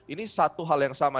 ini satu hal yang sama